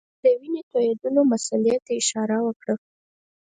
د وینو تویېدلو مسلې ته اشاره وکړه.